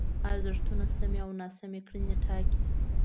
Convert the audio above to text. ارزښتونه سمې او ناسمې کړنې ټاکي.